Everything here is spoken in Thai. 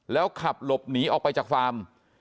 แล้วขับหลบหนีออกไปจากฟาร์ม